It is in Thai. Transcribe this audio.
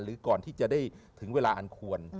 หรือก่อนที่จะได้ถึงเวลาอันควร